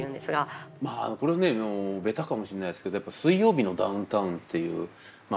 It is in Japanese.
まあこれベタかもしれないですけど「水曜日のダウンタウン」っていうまあ